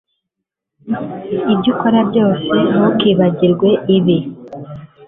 Ibyo ukora byose ntukibagirwe ibi